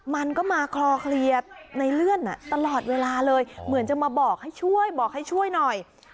มันก็มาคลอเคลียร์ในเลื่อนตลอดเวลาเลยเหมือนจะมาบอกให้ช่วยบอกให้ช่วยหน่อย